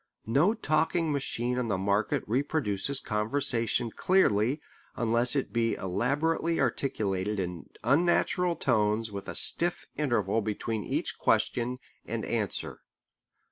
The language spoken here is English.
No talking machine on the market reproduces conversation clearly unless it be elaborately articulated in unnatural tones with a stiff interval between each question and answer.